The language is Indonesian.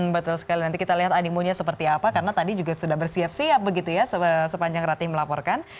betul sekali nanti kita lihat animunya seperti apa karena tadi juga sudah bersiap siap begitu ya sepanjang ratih melaporkan